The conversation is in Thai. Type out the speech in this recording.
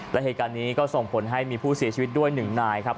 และเหตุการณ์นี้ก็ส่งผลให้มีผู้เสียชีวิตด้วย๑นายครับ